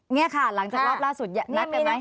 นี่ค่ะหลังจากรอบล่าสุดนัดกันไหม